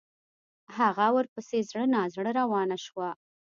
هغه ورپسې زړه نا زړه روانه شوه.